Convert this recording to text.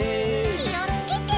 きをつけて。